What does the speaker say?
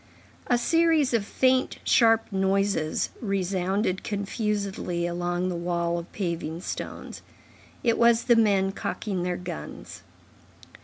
A series of faint, sharp noises resounded confusedly along the wall of paving stones. It was the men cocking their guns.